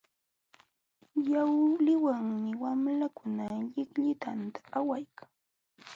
Yawliwanmi wamlakuna llikllitanta awaykan.